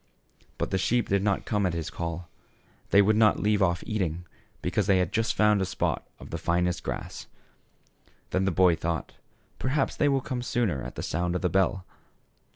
But the sheep did not come at his call ; they would not leave off eating, because they had just found a spot of the finest grass. Then the boy thought, "Perhaps they will come sooner at the sound of the bell."